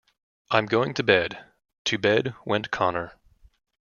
“I’m going to bed.” To bed went Connor.